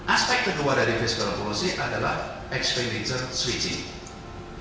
aspek kedua dari fiskal policy adalah expenditure switching